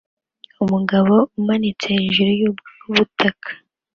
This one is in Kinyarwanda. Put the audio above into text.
Umugabo umanitse hejuru yubutaka